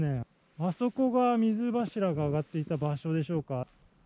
あそこが水柱が上がっていた場所でしょうか。